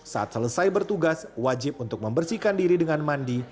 saat selesai bertugas wajib untuk membersihkan diri dengan mandi